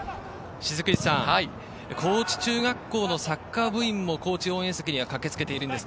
高知中学校のサッカー部員も高知応援席には駆けつけています。